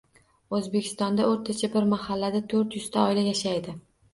O‘zbekistonda o‘rtacha bir mahallada to'rt yuzta oila yashaydi.